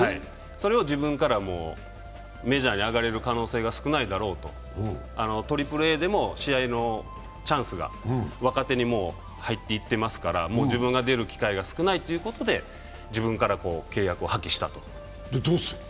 それを自分から、メジャーに上がれるチャンスは少ないだろうと、ＡＡＡでも試合のチャンスが若手に入っていってますから、自分が出る機会が少ないということで自分から契約を破棄したと。